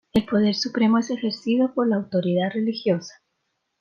El poder supremo es ejercido por la autoridad religiosa.